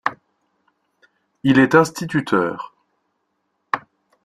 Il est instituteur.